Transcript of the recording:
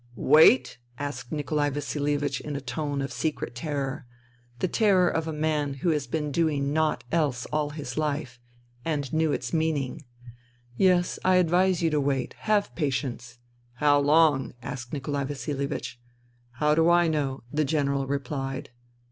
" Wait ?" asked Nikolai Vasilievich in a tone of secret terror, the terror of a man who had been doing naught else all his life — and knew its meaning. " Yes, I advise you to wait. Have patience." *' How long ?" asked Nikolai Vasilievich. " How do I know ?" the General replied.